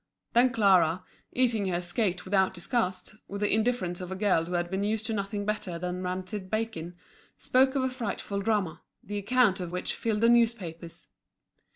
Then Clara, eating her skate without disgust, with the indifference of a girl who had been used to nothing better than rancid bacon, spoke of a frightful drama, the account of which filled the newspapers.